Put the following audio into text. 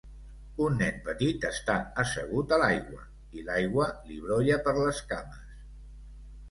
Un nen petit està assegut a l'aigua i l'aigua li brolla per les cames.